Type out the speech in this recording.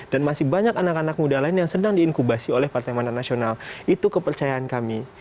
dan masih banyak anak anak muda lain yang sedang diinkubasi oleh partai mana nasional itu kepercayaan kami